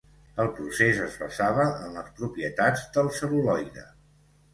El procés es basava en les propietats del cel·luloide.